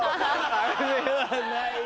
あれはないよ。